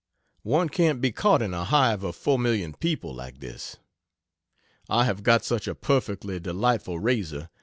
One can't be caught in a hive of 4,000,000 people, like this. I have got such a perfectly delightful razor.